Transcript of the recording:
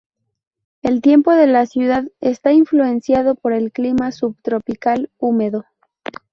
El tiempo de la ciudad está influenciado por el Clima subtropical húmedo.